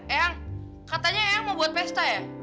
eh yang katanya yang mau buat pesta ya